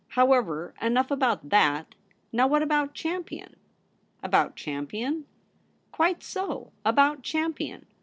However, enough about that. Now, what about Champion }'' About Champion ?'' Quite so. About Champion.